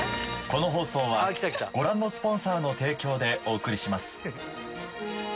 この放送はご覧のスポンサーの提供でお送りします。